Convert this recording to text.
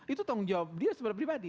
itu tanggung jawab dia secara pribadi